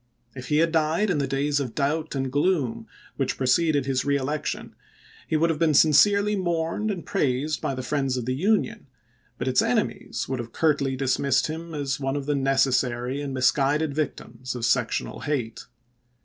If he had died in the days of doubt and gloom which preceded his reelection, he would have been sincerely mourned and praised by the friends of the Union, but its enemies would have curtly dismissed him as one of the necessary and misguided victims of sectional hate.